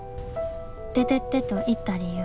「出てって」と言った理由。